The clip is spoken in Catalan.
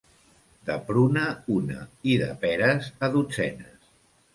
De pruna, una, i de peres, a dotzenes.